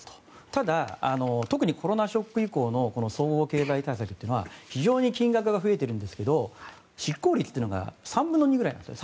ただ特にコロナショック以降の総合経済対策というのは非常に金額が増えてるんですが執行率が３分の２くらいなんですよ。